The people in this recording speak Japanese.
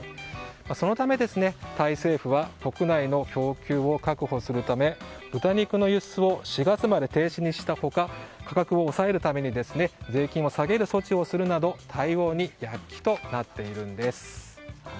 そのためタイ政府は国内の供給を確保するため豚肉の輸出を４月まで停止にした他価格を抑えるために税金を下げる措置をするなど対応に躍起となっているんです。